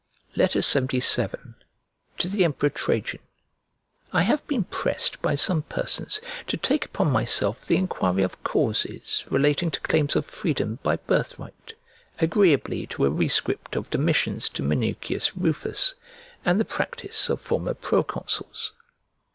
LXXVII To THE EMPEROR TRAJAN I HAVE been pressed by some persons to take upon myself the enquiry of causes relating to claims of freedom by birth right, agreeably to a rescript of Domitian's to Minucius Rufus, and the practice of former proconsuls.